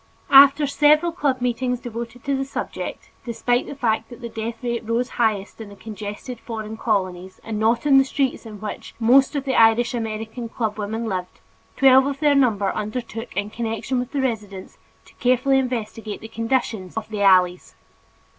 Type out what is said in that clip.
After several club meetings devoted to the subject, despite the fact that the death rate rose highest in the congested foreign colonies and not in the streets in which most of the Irish American club women lived, twelve of their number undertook in connection with the residents, to carefully investigate the conditions of the alleys.